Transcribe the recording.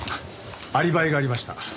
アリバイがありました。